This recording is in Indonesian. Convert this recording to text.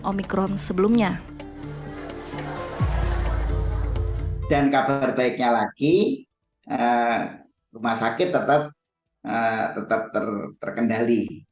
omikron sebelumnya dan kabar baiknya lagi rumah sakit tetap tetap terkendali